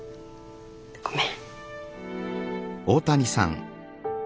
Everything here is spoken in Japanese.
ごめん。